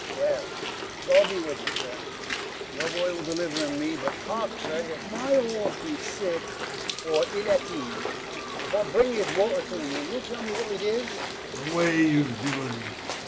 Well, God b'wi'ye, sir: your boy will deliver him me: but, hark you, sir; if my horse be sick or ill at ease, if I bring his water to you, you'll tell me what it is? FAUSTUS. Away, you villain!